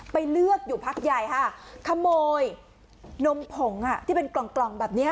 ไปเลือกอยู่พักใหญ่ค่ะขโมยนมผงอ่ะที่เป็นกล่องกล่องแบบนี้